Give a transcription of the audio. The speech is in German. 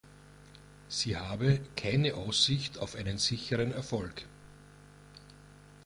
Sie habe „keine Aussicht auf einen sicheren Erfolg“.